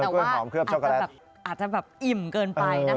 แต่ว่าอาจจะแบบอิ่มเกินไปนะ